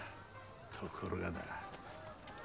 ところがだ。